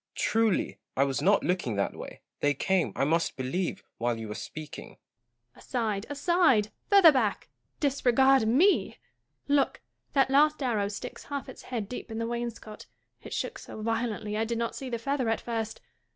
Truly, I was not looking that way : they came, I must believe, while you were speaking. Joanna. Aside, aside ! further back ! disregard me / Look ! that last arrow sticks half its head deep in the wainscot. It shook so violently I did not see the feather at first.